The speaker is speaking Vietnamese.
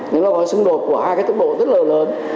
nó có xứng đột của hai cái tốc độ rất là lớn